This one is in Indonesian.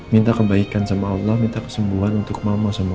minta kebaikan sama allah minta kesembuhan untuk mama sama allah